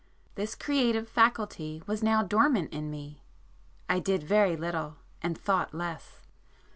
This creative faculty was now dormant in me,—I did very little, and thought less.